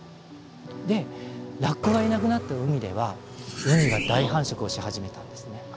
でラッコがいなくなった海ではウニが大繁殖をし始めたんですね。